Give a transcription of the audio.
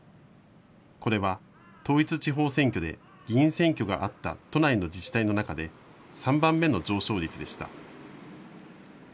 これは統一地方選挙で議員選挙があった都内の自治体の中で３番目の上昇率でした。